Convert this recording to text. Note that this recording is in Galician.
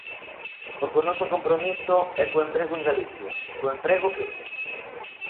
Porque o noso compromiso é co emprego en Galicia, co emprego firme.